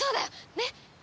ねっ！